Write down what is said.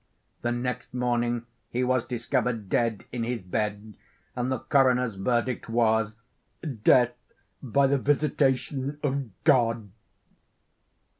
The next morning he was discovered dead in his bed, and the coroner's verdict was—"Death by the visitation of God."